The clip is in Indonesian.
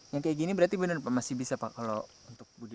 yang kayak gini berarti benar pak masih bisa pak kalau untuk budi